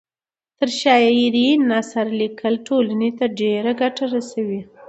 تر شاعرۍ نثر لیکل ټولنۍ ته ډېره ګټه رسوي